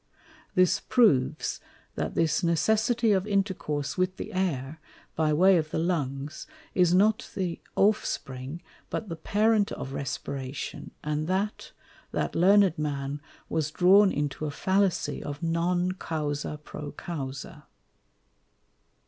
This proves, that this necessity of intercourse with the Air, by way of the Lungs, is not the Offspring, but the Parent of Respiration, and that, that Learned Man was drawn into a Fallacy of Non causa pro causa.